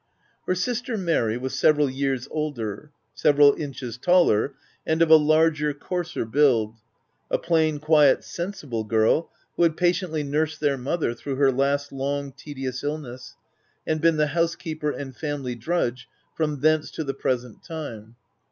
Her sister, Mary, was several years older several inches taller, and of a larger, coarser build — a plain, quiet, sensible girl, who had patiently nursed their mother, through her last long, tedious illness, and been the housekeeper, and family drudge, from thence to the present time.